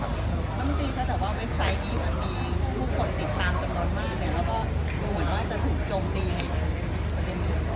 แล้วก็เหมือนว่าจะถูกโจมตีในประเทศนี้